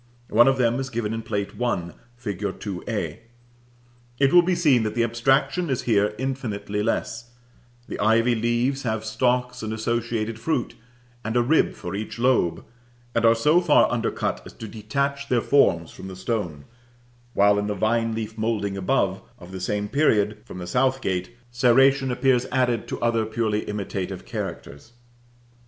One of them is given in Plate I. fig. 2 a. It will be seen that the abstraction is here infinitely less; the ivy leaves have stalks and associated fruit, and a rib for each lobe, and are so far undercut as to detach their forms from the stone; while in the vine leaf moulding above, of the same period, from the south gate, serration appears added to other purely imitative characters.